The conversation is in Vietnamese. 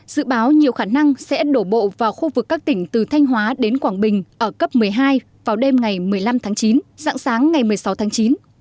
dự báo nhiều khả năng sẽ đổ bộ vào khu vực các tỉnh từ thanh hóa đến quảng bình ở cấp một mươi hai vào đêm ngày một mươi năm tháng chín dạng sáng ngày một mươi sáu tháng chín